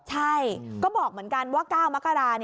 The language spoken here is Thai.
ใช่ก็บอกเหมือนกันว่า๙มกรา